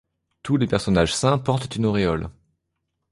Tous les personnages saints portent une auréole.